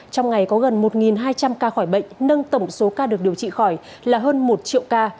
trong ngày có gần một hai trăm linh ca khỏi bệnh nâng tổng số ca được điều trị khỏi là hơn một triệu ca